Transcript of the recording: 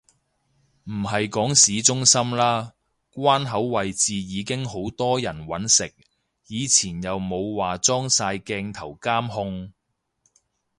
唔係講市中心啦，關口位置已經好多人搵食，以前又冇話裝晒鏡頭監控